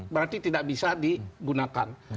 berarti tidak bisa digunakan